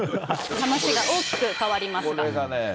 話が大きく変わりますが。